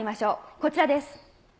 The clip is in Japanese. こちらです。